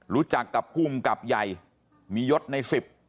รู้จักกับภูมิกับใหญ่มียศในสิบ